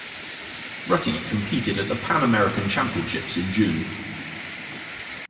Rutty competed at the Pan American Championships in June.